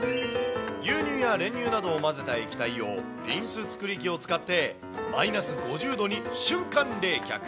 牛乳や練乳などを混ぜた液体を、ピンス作り機を使って、マイナス５０度に瞬間冷却。